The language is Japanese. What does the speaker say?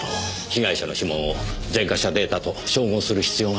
被害者の指紋を前科者データと照合する必要がありそうですね。